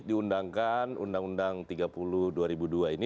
diundangkan undang undang tiga puluh dua ribu dua ini